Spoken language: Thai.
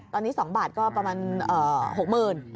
ตอนนี้๒บาทก็ประมาณ๖๐๐๐บาท